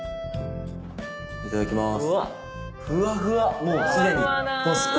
いただきまーす。